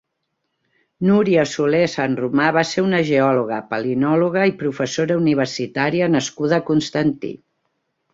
Núria Solé Sanromà va ser una geòloga, palinòloga i professora universitària nascuda a Constantí.